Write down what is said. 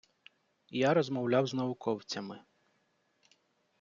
Я розмовляв з науковцями.